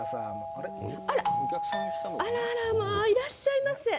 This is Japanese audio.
あらあらまあいらっしゃいませ。